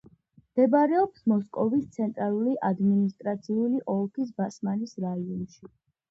მდებარეობს მოსკოვის ცენტრალური ადმინისტრაციული ოლქის ბასმანის რაიონში.